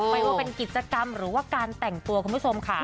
ไม่ว่าเป็นกิจกรรมหรือว่าการแต่งตัวคุณผู้ชมค่ะ